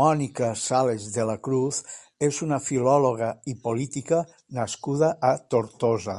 Mònica Sales de la Cruz és una filòloga i política nascuda a Tortosa.